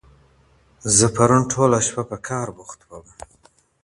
زه پرون ټوله شپه په کار بوخت وم.